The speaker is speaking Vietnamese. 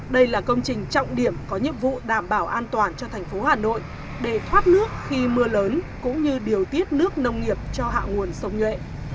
đây là công trình trọng điểm có nhiệm vụ đảm bảo an toàn cho thành phố hà nội để thoát nước khi mưa lớn cũng như điều tiết nước nông nghiệp cho hạ nguồn sông nhuệ